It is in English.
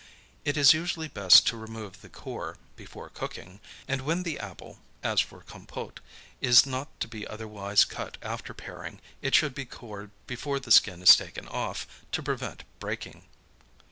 It is usually best to remove the core before cooking, and, when the apple (as for compote) is not to be otherwise cut after paring, it should be cored before the skin is taken off, to prevent breaking.